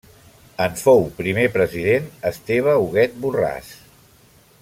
En fou primer president Esteve Huguet Borràs.